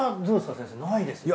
先生ないですよね。